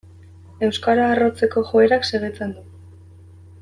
Euskara arrotzeko joerak segitzen du.